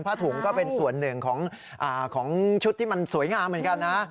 ถุงก็เป็นส่วนหนึ่งของชุดที่มันสวยงามเหมือนกันนะ